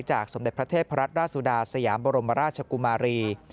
จากสมเด็จพระทัศน์พระราชดาสยามบรมราชกุมารี